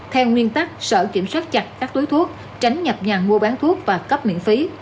theo nguyên tắc sở kiểm soát chặt các túi thuốc tránh nhập nhà mua bán thuốc và cấp miễn phí